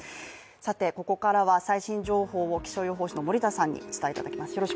ここからは最新情報を気象予報士の森田さんにお伝えいただきます。